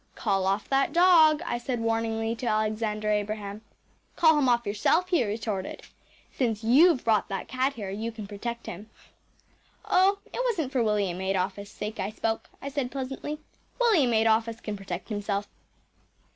“Call off that dog,‚ÄĚ I said warningly to Alexander Abraham. “Call him off yourself,‚ÄĚ he retorted. “Since you’ve brought that cat here you can protect him.‚ÄĚ “Oh, it wasn’t for William Adolphus’ sake I spoke,‚ÄĚ I said pleasantly. “William Adolphus can protect himself.